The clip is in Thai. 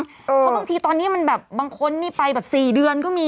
เพราะบางทีตอนนี้มันแบบบางคนนี่ไปแบบ๔เดือนก็มี